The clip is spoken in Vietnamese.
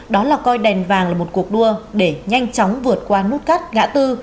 đó là coi đèn vàng là một cuộc đua để nhanh chóng vượt qua nút cắt gã tư